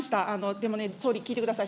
でもね、総理、聞いてください。